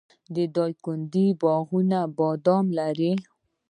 د دایکنډي باغونه بادام لري.